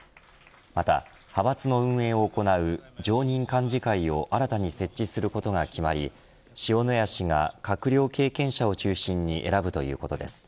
また、派閥の運営を行う常任幹事会を新たに設置することが決まり塩谷氏が閣僚経験者を中心に選ぶということです。